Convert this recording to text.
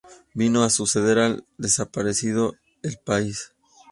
Vino a suceder al desaparecido "El País".